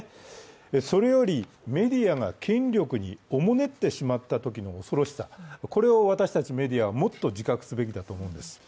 それよりメディアが権力におもねってしまったときの恐ろしさ、これを私たちメディアはもっと自覚すべきだと思うんです。